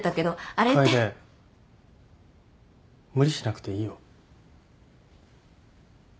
楓無理しなくていいよ。